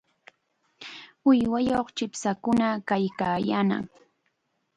Uwayuq chipshakuna kaykaayaanaq.